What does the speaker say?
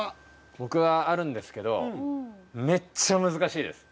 僕はあるんですけどめっちゃ難しいです。